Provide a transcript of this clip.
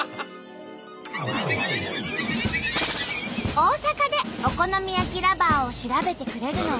大阪でお好み焼きＬｏｖｅｒを調べてくれるのは。